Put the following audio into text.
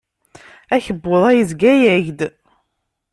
Akebbuḍ-a yezga-ak-d.